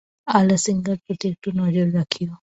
আলাসিঙ্গার প্রতি একটু নজর রাখিও।